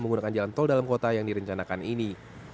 menggunakan jalan tol dalam kota yang direncanakan ini